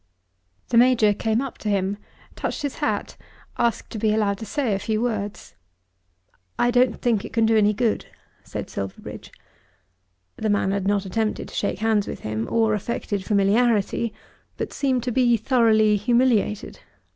The Major came up to him, touched his hat, asked to be allowed to say a few words. "I don't think it can do any good," said Silverbridge. The man had not attempted to shake hands with him, or affected familiarity; but seemed to be thoroughly humiliated.